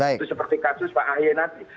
itu seperti kasus pak ahie nati